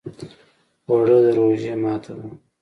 اوړه د روژې ماته ده